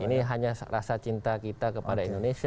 ini hanya rasa cinta kita kepada indonesia